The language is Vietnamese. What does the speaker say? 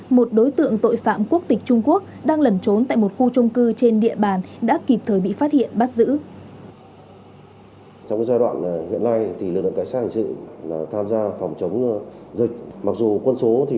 một đối tượng tội phạm quốc tịch trung quốc đang lẩn trốn tại một khu trung cư trên địa bàn đã kịp thời bị phát hiện bắt giữ